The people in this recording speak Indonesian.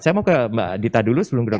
saya mau ke mbak dita dulu sebelum grab